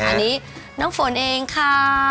อันนี้น้ำฝนเองค่ะ